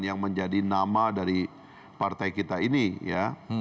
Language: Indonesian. yang menjadi nama dari partai kita ini ya